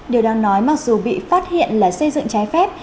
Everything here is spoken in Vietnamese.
điều đang nói mặc dù bị phát hiện là xây dựng trái phép